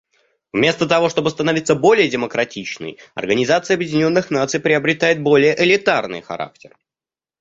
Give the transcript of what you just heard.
Вместо того чтобы становиться более демократичной, Организация Объединенных Наций приобретает более элитарный характер.